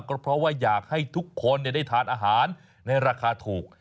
ก็เพราะว่าอยากให้ทุกคนได้ทานอาหารในราคาถูก